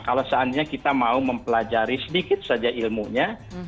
kalau seandainya kita mau mempelajari sedikit saja ilmunya